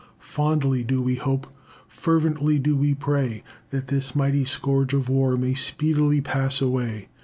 Fondly do we hope, fervently do we pray, that this mighty scourge of war may speedily pass away.